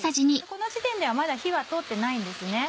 この時点ではまだ火は通ってないんですね。